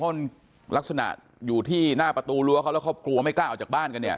เพราะลักษณะอยู่ที่หน้าประตูรั้วเขาแล้วครอบครัวไม่กล้าออกจากบ้านกันเนี่ย